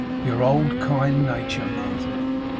'Your old kind nature, Martin!